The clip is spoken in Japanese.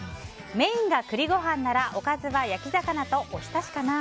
メインが栗ご飯ならおかずは焼き魚とおひたしかな。